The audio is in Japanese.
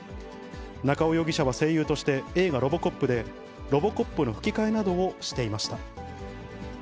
中尾容疑者は声優として映画、ロボコップでロボコップの吹き替えなどをしていました。